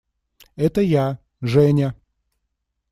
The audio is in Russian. Это я – Женя!